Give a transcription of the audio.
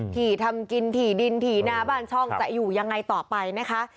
ที่ทำกินถี่ดินถี่หน้าบ้านช่องจะอยู่ยังไงต่อไปนะคะ